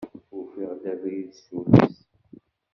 Ufiɣ-d abrid s ul-is.